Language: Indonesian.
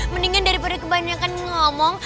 mendingan daripada kebanyakan ngomong